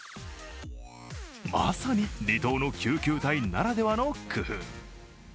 まさに離島の救急隊ならではの工夫。